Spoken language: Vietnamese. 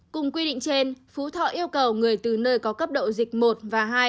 cùng quy định trên phú thọ yêu cầu người từ nơi có cấp độ dịch một và hai